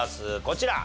こちら！